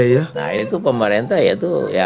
nah itu pemerintah ya